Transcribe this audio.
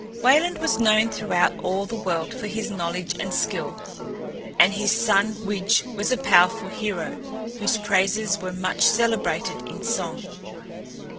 Wayland was known throughout all the world for his knowledge and skill, and his son Widge was a powerful hero, whose praises were much celebrated in song.